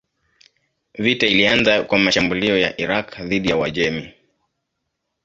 Vita ilianza kwa mashambulio ya Irak dhidi ya Uajemi.